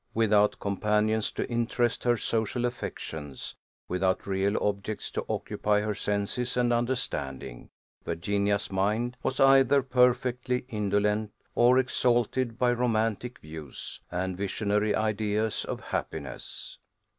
Without companions to interest her social affections, without real objects to occupy her senses and understanding, Virginia's mind was either perfectly indolent, or exalted by romantic views, and visionary ideas of happiness.